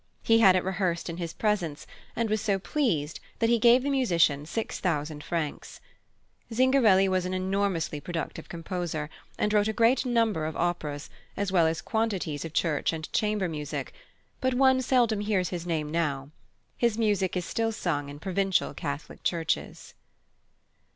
He had it rehearsed in his presence, and was so pleased that he gave the musician 6000 francs. Zingarelli was an enormously productive composer, and wrote a great number of operas, as well as quantities of church and chamber music, but one seldom hears his name now. His music is still sung in provincial Catholic churches.